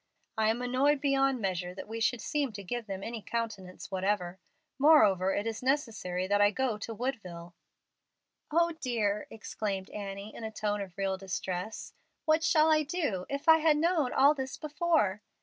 I am annoyed beyond measure that we should seem to give them any countenance whatever. Moreover, it is necessary that I go to Woodville." "O dear!" exclaimed Annie, in a tone of real distress, "what shall I do? If I had only known all this before!"